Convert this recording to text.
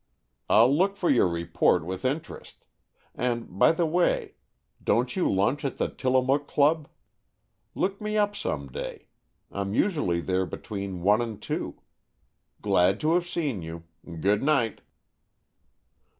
"I'll look for your report with interest. And, by the way, don't you lunch at the Tillamook Club? Look me up some day. I'm usually there between one and two. Glad to have seen you. Good night."